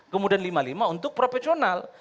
kemudian lima puluh lima untuk profesional